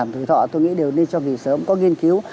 tôi nghĩ đều nên cho nghỉ sớm có nghiên cứu